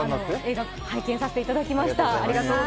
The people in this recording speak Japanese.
映画、拝見させていただきました。